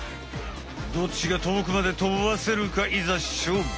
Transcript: どっちがとおくまでとばせるかいざしょうぶ！